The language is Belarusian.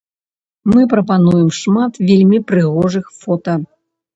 Мы прапануем шмат вельмі прыгожых фота!